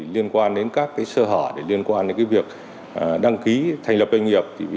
liên quan đến các sơ hở để liên quan đến việc đăng ký thành lập doanh nghiệp